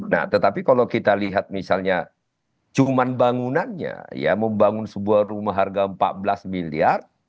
nah tetapi kalau kita lihat misalnya cuma bangunannya ya membangun sebuah rumah harga empat belas miliar